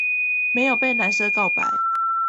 沒有被男生告白